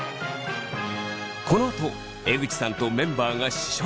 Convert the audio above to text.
このあと江口さんとメンバーが試食です。